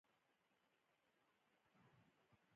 تور قانون تصویب شوی و.